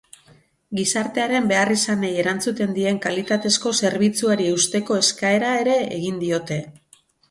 Gizartearen beharrizanei erantzuten dien kalitatezko zerbitzuari eusteko eskaera ere egin diote.